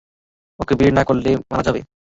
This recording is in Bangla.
ওকে বের না করলে মারা যাবে।